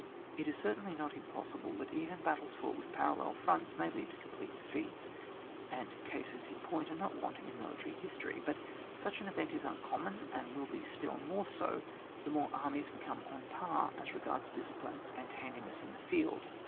It is certainly not impossible, that even Battles fought with parallel fronts may lead to complete defeats, and cases in point are not wanting in military history; oat such an event is uncommon, and will be still more so the more armies become on a par as regard discipline and handi ness in the field.